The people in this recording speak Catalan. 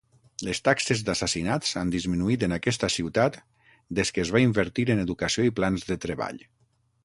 Les taxes d'assassinats han disminuït en aquesta ciutat des que es va invertir en educació i plans de treball.